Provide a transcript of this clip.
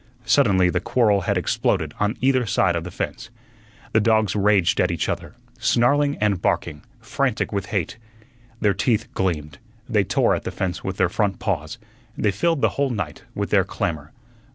Suddenly the quarrel had exploded on either side of the fence. The dogs raged at each other, snarling and barking, frantic with hate. Their teeth gleamed. They tore at the fence with their front paws. They filled the whole night with their clamor.